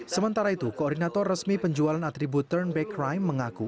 sementara itu koordinator resmi penjualan atribut turn back crime mengaku